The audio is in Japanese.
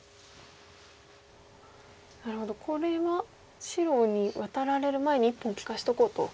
なるほどこれは白にワタられる前に１本利かしとこうと。